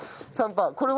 これは？